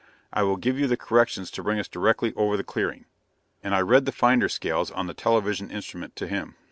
I will give you the corrections to bring us directly over the clearing." And I read the finder scales of the television instrument to him.